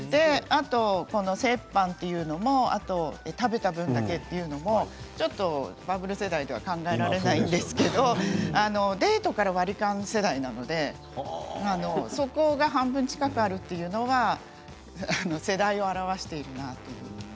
折半というのも食べた分だけというのもバブル世代では考えられないんですけれどデートから割り勘世代なのでそこが半分近くあるというのは世代を表しています。